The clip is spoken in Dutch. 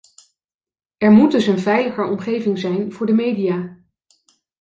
Er moet dus een veiliger omgeving zijn voor de media.